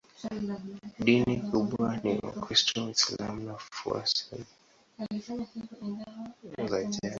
Dini kubwa ni Wakristo, Waislamu na wafuasi wa dini za jadi.